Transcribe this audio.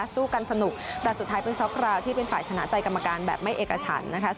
สู้กันสนุกแต่สุดท้ายเป็นซ็กราวที่เป็นฝ่ายชนะใจกรรมการแบบไม่เอกฉันนะคะ